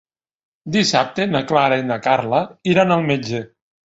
Dissabte na Clara i na Carla iran al metge.